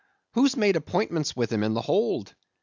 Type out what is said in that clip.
Who's made appointments with him in the hold?